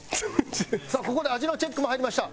さあここで味のチェックも入りました。